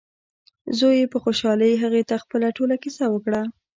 زوی یې په خوشحالۍ هغې ته خپله ټوله کیسه وکړه.